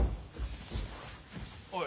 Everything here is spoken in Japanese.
・おい